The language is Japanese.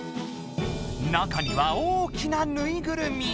中には大きなぬいぐるみ。